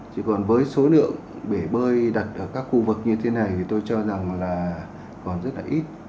chỉ còn với số lượng bể bơi đặt ở các khu vực như thế này thì tôi cho rằng là còn rất là ít